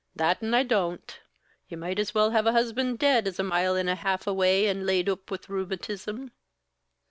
"That an' I don't! You might as well have a husband dead, as a mile an' a half away an' laid oop with rheumatism."